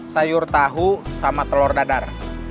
sayur tahu sama telur dadar